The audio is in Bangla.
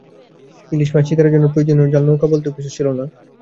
ইলিশ মাছ শিকারের জন্য প্রয়োজনীয় জাল, নৌকা বলতেও কিছু ছিল না।